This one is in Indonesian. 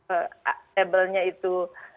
eh labelnya itu